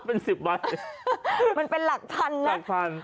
เป็นสิบวันมันเป็นหลักพันนะหลักพัน